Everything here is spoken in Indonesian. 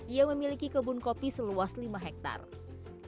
ia memiliki kebun kopi seluas lima hektare